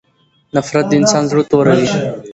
نفرت د انسان زړه توروي.